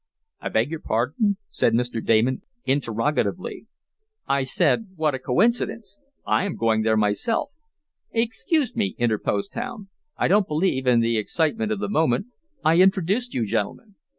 "I beg your pardon?" said Mr. Damon, interrogatively. "I said what a coincidence. I am going there myself." "Excuse me," interposed Tom, "I don't believe, in the excitement of the moment, I introduced you gentlemen.